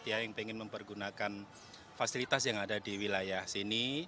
yang ingin mempergunakan fasilitas yang ada di wilayah sini